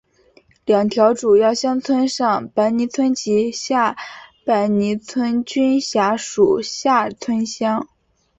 两条主要乡村上白泥村及下白泥村均辖属厦村乡。